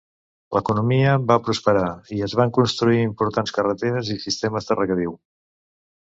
L'economia va prosperar, i es van construir importants carreteres i sistemes de regadiu.